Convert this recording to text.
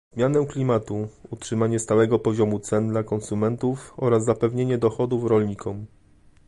zmianę klimatu, utrzymanie stałego poziomu cen dla konsumentów oraz zapewnienie dochodów rolnikom